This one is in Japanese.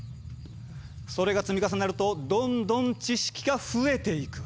それが積み重なるとどんどん知識が増えていく。